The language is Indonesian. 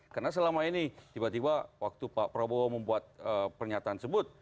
karena selama ini tiba tiba waktu pak probo membuat pernyataan sebut